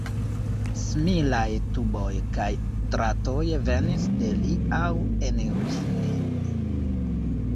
Similaj tuboj kaj dratoj venis de li aŭ eniris lin.